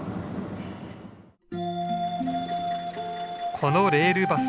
このレールバス